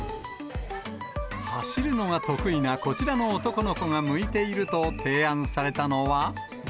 走るのが得意なこちらの男の子が向いていると提案されたのは。